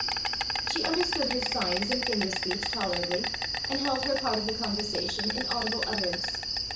She understood his signs and finger speech tolerably, and held her part of the conversation in audible utterance.